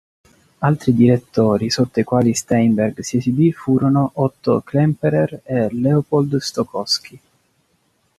Altri direttori sotto i quali Steinberg si esibì furono Otto Klemperer e Leopold Stokowski.